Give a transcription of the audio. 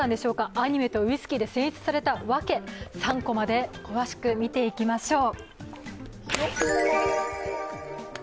アニメとウイスキーで選出されたワケ、３コマで詳しく見ていきましょう。